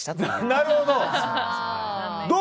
なるほど。